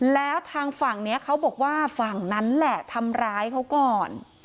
แล้วทางฝั่งนี้เขาบอกว่าฝั่งนั้นแหละทำร้ายเขาก่อน